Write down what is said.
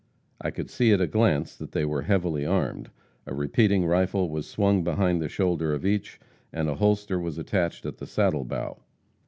I could see at a glance that they were heavily armed. A repeating rifle was swung behind the shoulder of each, and a holster was attached at the saddle bow.